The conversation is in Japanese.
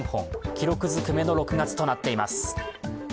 記録ずくめの６月になっています。